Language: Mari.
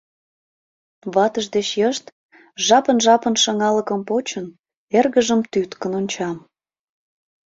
Ватыж деч йышт, жапын-жапын шыҥалыкым почын, эргыжым тӱткын онча.